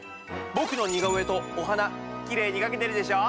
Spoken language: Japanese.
僕の似顔絵とお花きれいに描けてるでしょ？